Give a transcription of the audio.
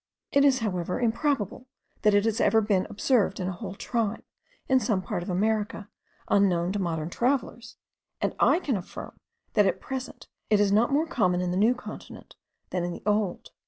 It is, however, improbable, that it has ever been observed in a whole tribe, in some part of America unknown to modern travellers; and I can affirm that at present it is not more common in the new continent, than in the old.